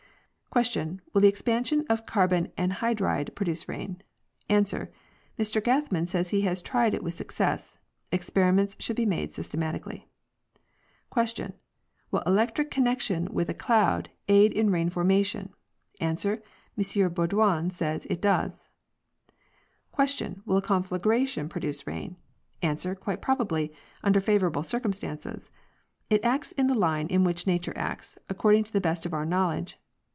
Q. Will the expansion of carbon anhydride produce rain? A. Mr Gathman says he has tried it and with success. LExperi ments should be made systematically. Q. Will electric connection with a cloud aid in rain forma tion? A. M Baudouin says it does. Q. Will a conflagration produce rain? <A. Quite probably, under favorable circumstances. It acts in the line in which nature acts, according to the best of our knowledge.